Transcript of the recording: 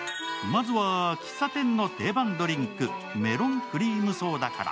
まずは喫茶店の定番ドリンク、メロンクリームソーダから。